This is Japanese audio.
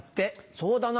そうだな。